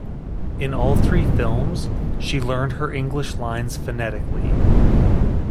In all three films, she learned her English lines phonetically.